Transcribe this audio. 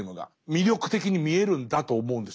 魅力的に見えるんだと思うんです。